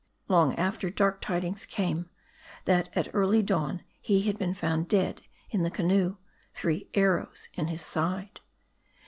Long after, dark tidings came, that at early dawn he had been found dead in the canoe : three arrows in his side.